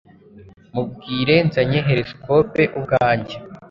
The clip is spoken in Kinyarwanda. Mubwire Nzanye horoscope ubwanjye